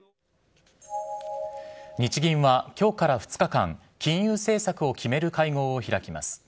日銀は、きょうから２日間、金融政策を決める会合を開きます。